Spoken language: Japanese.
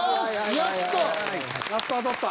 やっと当たった。